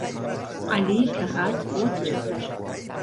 عهلی که هات وەک چهپەر